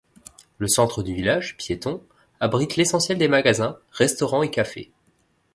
Le centre du village, piéton, abrite l'essentiel des magasins, restaurants et cafés.